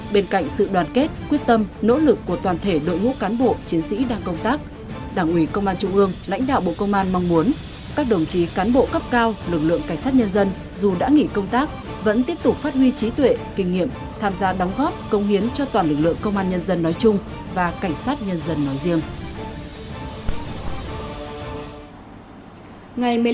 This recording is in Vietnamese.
bên cạnh sự đoàn kết quyết tâm nỗ lực của toàn thể đội ngũ cán bộ chiến sĩ đang công tác đảng ủy công an trung ương lãnh đạo bộ công an mong muốn các đồng chí cán bộ cấp cao lực lượng cảnh sát nhân dân dù đã nghỉ công tác vẫn tiếp tục phát huy trí tuệ kinh nghiệm tham gia đóng góp công hiến cho toàn lực lượng công an nhân dân nói chung và cảnh sát nhân dân nói riêng